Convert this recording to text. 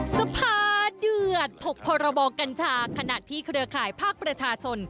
สภาเดือดถกพรบกัญชาขณะที่เครือข่ายภาคประชาชน